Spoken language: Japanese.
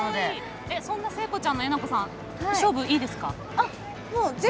そんな聖子ちゃんのえなこさん、勝負いいですか。